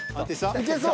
いけそう。